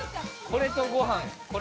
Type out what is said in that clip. これとご飯。